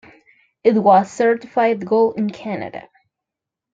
It was certified gold in Canada.